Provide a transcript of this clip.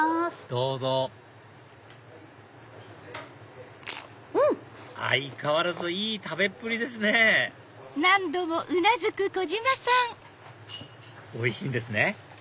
どうぞ相変わらずいい食べっぷりですねおいしいんですね